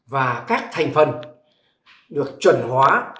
và các thành phần được chuẩn hóa